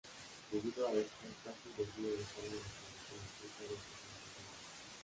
Debido a esto, Castle decide dejar una declaración escrita de sus intenciones.